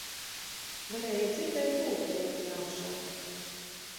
Varēja dzirdēt ūpja ūjināšanu